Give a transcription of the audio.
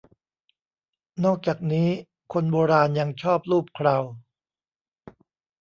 นอกจากนี้คนโบราณยังชอบลูบเครา